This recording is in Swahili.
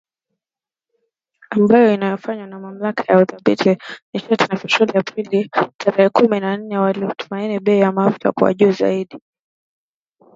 Ambayo inayofanywa na Mamlaka ya Udhibiti wa Nishati na Petroli Aprili tarehe kumi na nne, wakitumaini bei ya mafuta kuwa juu zaidi.